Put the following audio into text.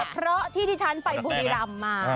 เพราะที่ดีจันทร์ไปบุรีรัมด์มา